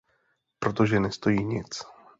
Protože nestojí nic.